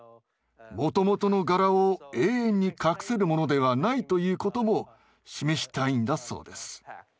もともとの柄を永遠に隠せるものではないということも示したいんだそうです。